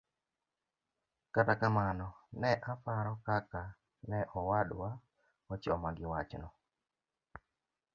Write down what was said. Kata kamano ne aparo kaka ne owadwa ochoma gi wachno.